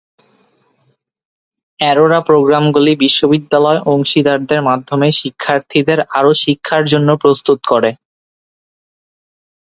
Aurora প্রোগ্রামগুলি বিশ্ববিদ্যালয় অংশীদারদের মাধ্যমে শিক্ষার্থীদের আরও শিক্ষার জন্য প্রস্তুত করে।